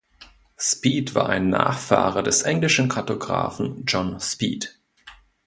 Speed war ein Nachfahre des englischen Kartografen John Speed.